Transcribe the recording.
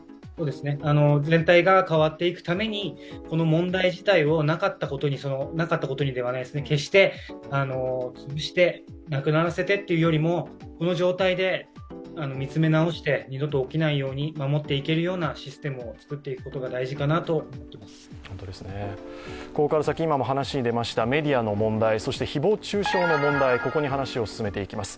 全体が変わっていくために、この問題自体を消して、なくならせてというよりも、この状態で見つめ直して二度と起きないように守っていけるようなシステムを作っていくことがここから先、今も話に出ましたメディアの問題、誹謗中傷の問題に話を進めていきます。